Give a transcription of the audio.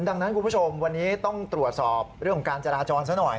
ดังนั้นคุณผู้ชมวันนี้ต้องตรวจสอบเรื่องของการจราจรซะหน่อย